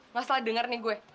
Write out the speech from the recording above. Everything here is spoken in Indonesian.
masalah denger nih gue